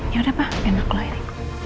ya udah pa enak lah ini